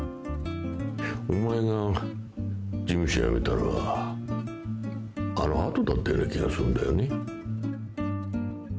お前が事務所辞めたのはあの後だったような気がするんだよね。